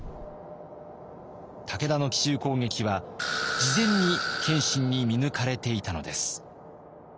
武田の奇襲攻撃は事前に謙信に見抜かれていたのです。